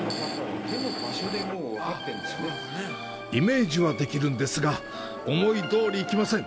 イメージはできるんですが、思いどおりいきません。